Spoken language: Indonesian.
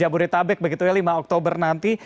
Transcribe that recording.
jamboree tabek begitu ya lima oktober nanti